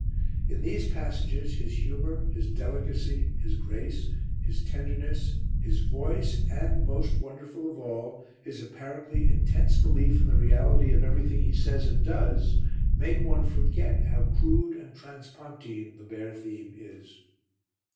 In these passages his humour, his delicacy, his grace, his tenderness, his voice and, most wonderful of all, his apparently intense belief in the reality of everything he says and does make one forget how crude and transpontine the bare theme is.